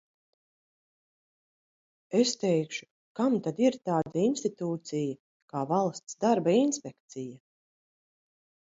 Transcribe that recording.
Es teikšu: kam tad ir tāda institūcija kā Valsts darba inspekcija?